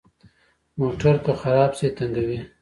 موټر که خراب شي، تنګوي.